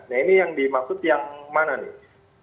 nah ini yang dimaksud yang mana nih